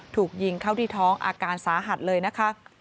ถูกยิงเข้าที่ท้องอาการสาหัสเลยนะคะ